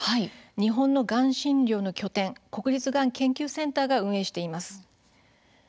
日本のがん診療の拠点国立がん研究センターが運営しています。